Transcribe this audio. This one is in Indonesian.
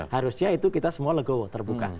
harusnya itu kita semua legowo terbuka